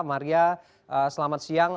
maria selamat siang